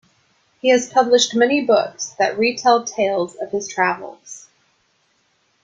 He has published many books that re-tell tales of his travels.